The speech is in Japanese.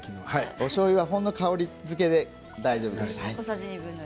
おしょうゆはほんの香りづけで大丈夫です。